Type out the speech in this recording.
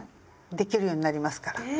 できるようになりますから。